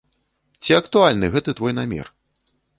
Ці актуальны гэты твой намер?